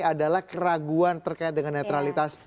adalah keraguan terkait dengan netralitas